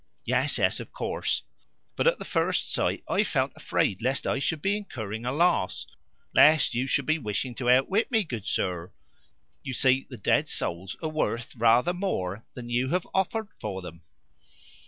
"Yes, yes, of course. But at first sight I felt afraid lest I should be incurring a loss lest you should be wishing to outwit me, good sir. You see, the dead souls are worth rather more than you have offered for them."